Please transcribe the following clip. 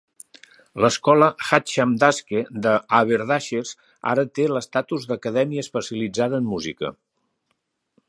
L'escola Hatcham d'Aske de Haberdashers ara té l'estatus d'acadèmia especialitzada en música.